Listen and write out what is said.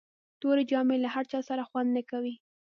توري جامي د له هر چا سره خوند نه کوي.